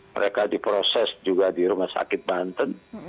mereka diproses juga di rumah sakit banten